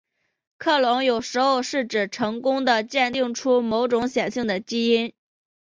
克隆有时候是指成功地鉴定出某种显性的基因。